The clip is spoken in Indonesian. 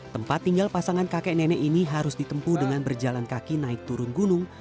tempat tinggal pasangan kakek nenek ini harus ditempuh dengan berjalan kaki naik turun gunung